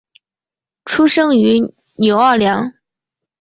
出生于纽奥良。